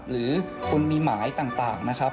หรือคุณมีหมายต่างนะครับ